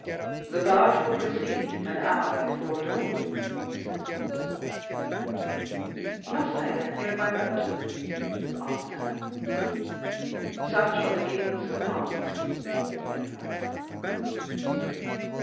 "The barge will proceed an hour before dawn," said Suffolk. "Must I, then, go by water?" asked Anne. "Such are the king's commands," replied Suffolk.